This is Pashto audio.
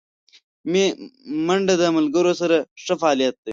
منډه د ملګرو سره ښه فعالیت دی